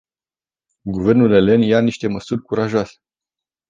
Guvernul elen ia niște măsuri curajoase.